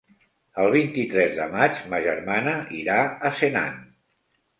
El vint-i-tres de maig ma germana irà a Senan.